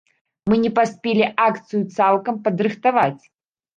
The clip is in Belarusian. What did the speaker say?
Мы не паспелі акцыю цалкам падрыхтаваць.